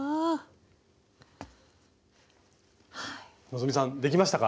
希さんできましたか？